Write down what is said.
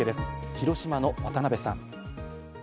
広島の渡邊さん。